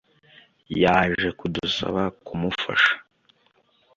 yaje kudusaba kumufasha